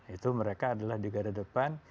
itu mereka adalah di gara depan